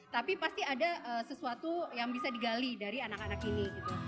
tapi pasti ada sesuatu yang bisa digali dari anak anak ini